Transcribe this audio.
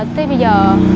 tới bây giờ